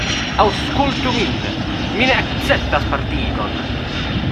Aŭskultu min; mi ne akceptas partigon.